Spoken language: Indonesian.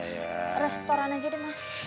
restoran aja deh mas